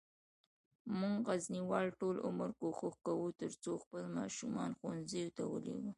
مونږه غزنیوال ټول عمر کوښښ کووه ترڅوخپل ماشومان ښوونځیوته ولیږو